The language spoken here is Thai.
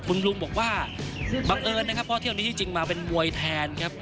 คุณลุงบอกว่าบังเอิญนะครับเพราะเที่ยวนี้ที่จริงมาเป็นมวยแทนครับ